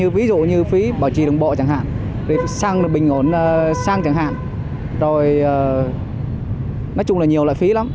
ví dụ như phí bảo trì đường bộ chẳng hạn xăng là bình ổn xăng chẳng hạn rồi nói chung là nhiều loại phí lắm